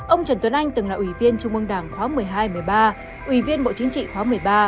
ông trần tuấn anh từng là ủy viên trung ương đảng khóa một mươi hai một mươi ba ủy viên bộ chính trị khóa một mươi ba